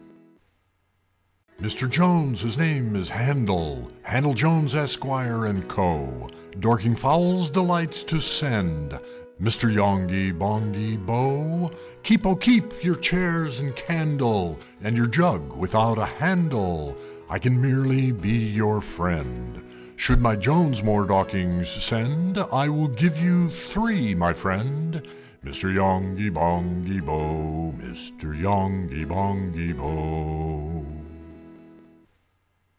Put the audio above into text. VI. "Mr. Jones (his name is Handel, Handel Jones, Esquire, & Co.) Dorking fowls delights to send, Mr. Yonghy Bonghy Bò! Keep, oh, keep your chairs and candle, And your jug without a handle, I can merely be your friend! Should my Jones more Dorkings send, I will give you three, my friend! Mr. Yonghy Bongy Bò! Mr. Yonghy Bonghy Bò! VII.